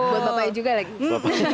buat bapaknya juga lagi